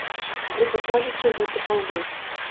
Груба кажучы, гэта калгас.